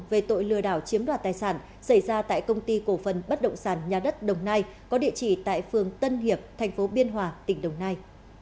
về tội lừa đảo chiếm đoạt tài sản xảy ra tại công ty cổ phân bất động sản nhà đất đồng nai có địa chỉ tại phương tân hiệp thành phố biên hòa tỉnh đồng nai